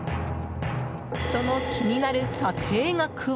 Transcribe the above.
その気になる査定額は。